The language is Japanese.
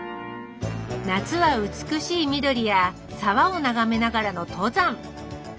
夏は美しい緑や沢を眺めながらの登山。